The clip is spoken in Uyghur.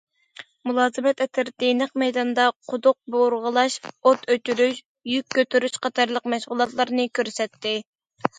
مۇلازىمەت ئەترىتى نەق مەيداندا قۇدۇق بۇرغىلاش، ئوت ئۆچۈرۈش، يۈك كۆتۈرۈش قاتارلىق مەشغۇلاتلارنى كۆرسەتتى.